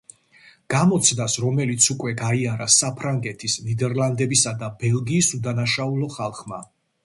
გამოცდას, რომელიც უკვე გაიარა საფრანგეთის, ნიდერლანდებისა და ბელგიის უდანაშაულო ხალხმა.